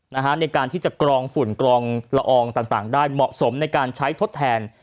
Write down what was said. ในการที่จะกรองฝุ่นกรองละอองต่างได้เหมาะสมในการใช้ทดแทน